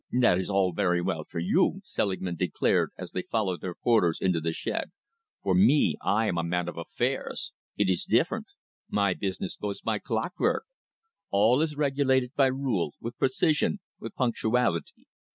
"That is all very well for you," Selingman declared, as they followed their porters into the shed. "For me, I am a man of affairs. It is different. My business goes by clockwork. All is regulated by rule, with precision, with punctuality.